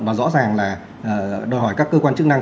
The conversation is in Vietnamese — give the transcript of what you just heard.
và rõ ràng là đòi hỏi các cơ quan chức năng